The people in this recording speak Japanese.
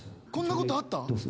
こんなことあった？